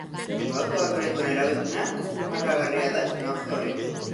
Molekula organikoen erabilpena azpimarragarria da teknologia honetan.